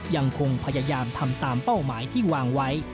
ยังคงพยายามทำตามเป้าหมายที่วางไว้